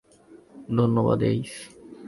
ধন্যবাদ, এইস।